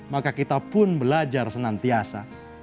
maka kita pun belajar senantiasa